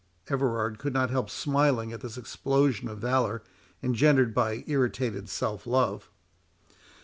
Everard could not help smiling at this explosion of valour, engendered by irritated self love.